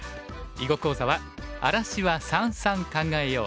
囲碁講座は「荒らしは三々考えよう」。